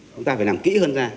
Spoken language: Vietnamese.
chúng ta phải làm kỹ hơn ra